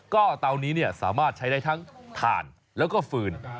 ก็เตานี้สามารถใช้ได้ทั้งถ่านแล้วก็ฟืน